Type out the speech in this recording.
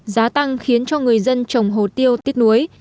giá tăng khiến cho người dân trồng hồ tiêu tiếc nuối